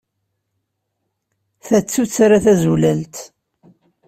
Ta d tuttra tazulalt.